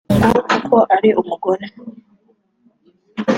ngo kuko ari umugore